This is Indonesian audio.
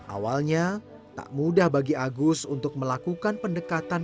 awalnya tak mudah bagi agus untuk melakukan pendekatan